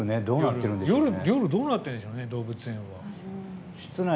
夜、どうなってるんでしょうね動物園は。